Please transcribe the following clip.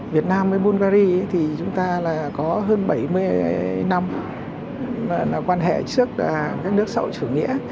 việt nam với bulgari thì chúng ta là có hơn bảy mươi năm là quan hệ trước các nước sậu chủ nghĩa